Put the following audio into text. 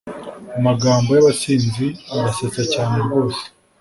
amagambo yabasinzi arasetsa cyane rwose